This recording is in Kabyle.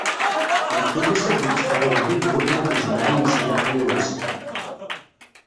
Mkul ass ad itteffeɣ ugdud iwakken ad d-ijmeɛ ayen i s-ilaqen i wass.